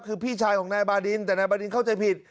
คือพี่ชายของนายบาดินแต่นายบาดินเข้าใจผิด